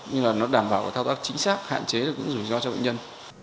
nhưng là nó đảm bảo có thao tác chính xác hạn chế được những rủi ro cho bệnh nhân